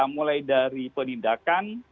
mulai dari penindakan